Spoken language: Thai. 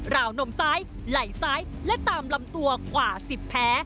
วนมซ้ายไหล่ซ้ายและตามลำตัวกว่า๑๐แผล